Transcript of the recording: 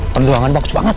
perjuangan bagus banget